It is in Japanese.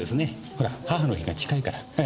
ほら母の日が近いから。